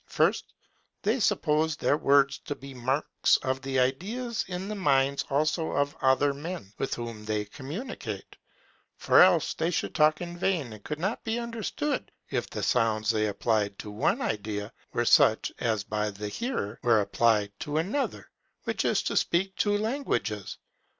First, THEY SUPPOSE THEIR WORDS TO BE MARKS OF THE IDEAS IN THE MINDS ALSO OF OTHER MEN, WITH WHOM THEY COMMUNICATE; for else they should talk in vain, and could not be understood, if the sounds they applied to one idea were such as by the hearer were applied to another, which is to speak two languages.